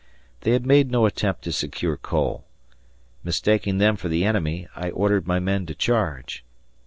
They had made no attempt to secure Cole. Mistaking them for the enemy, I ordered my men to charge.